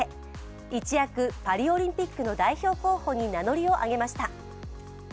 一躍パリオリンピックの代表候補に名乗りを上げました。